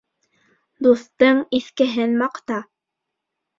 Дуҫтың иҫкеһен маҡта.